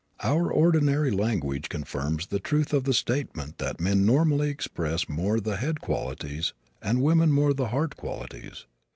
Our ordinary language confirms the truth of the statement that men normally express more the head qualities and women more the heart qualities.